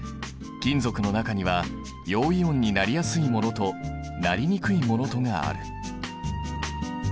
金属の中には陽イオンになりやすいものとなりにくいものとがある。